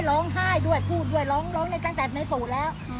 ร้องไห้ด้วยพูดด้วยร้องกันตั้งแต่ในสูตรแล้ว